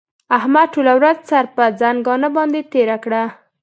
احمد ټوله ورځ سر پر ځنګانه باندې تېره کړه.